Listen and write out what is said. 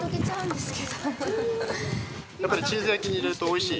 やっぱりチーズ焼きに入れるとおいしい？